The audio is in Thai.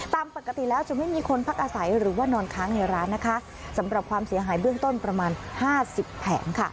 ตามปกติแล้วจะไม่มีคนพักอาศัยหรือว่านอนค้างในร้านนะคะสำหรับความเสียหายเบื้องต้นประมาณห้าสิบแผงค่ะ